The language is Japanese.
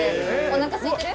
おなかすいてる？